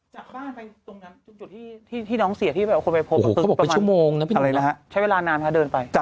จากบ้านไปตรงนั้นจุดที่น้องเสียที่เอาคนไปพบประมาณใช้เวลานานค่ะเดินไป